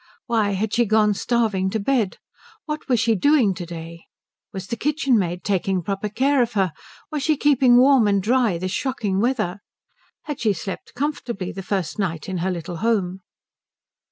Why had she gone starving to bed? What was she doing to day? Was the kitchenmaid taking proper care of her? Was she keeping warm and dry this shocking weather? Had she slept comfortably the first night in her little home?